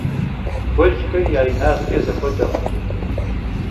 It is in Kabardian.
Guelxer ya yinağç'e zexuedekhım.